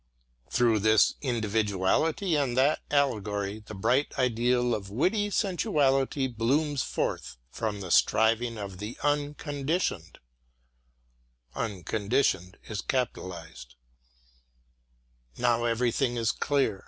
Through this individuality and that allegory the bright ideal of witty sensuality blooms forth from the striving after the Unconditioned. Now everything is clear!